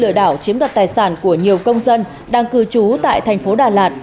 lừa đảo chiếm đặt tài sản của nhiều công dân đang cư trú tại tp đà lạt